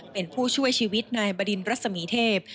เป็นผู้ช่วยชีวิตนายบดินรัศมีเทพ